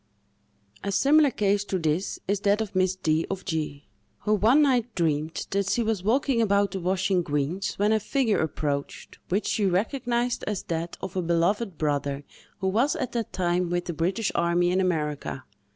A similar case to this is that of Miss D——, of G——, who one night dreamed that she was walking about the washing greens, when a figure approached, which she recognised as that of a beloved brother who was at that time with the British army in America.